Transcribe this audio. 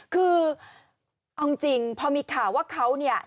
คือเอาจริงพอมีข่าวว่าเขาเนี่ย